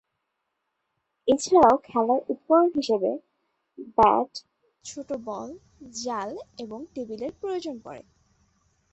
এছাড়াও, খেলার উপকরণ হিসেবে ব্যাট, ছোট বল, জাল এবং টেবিলের প্রয়োজন পড়ে।